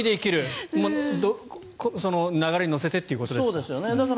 流れに乗せてということですか？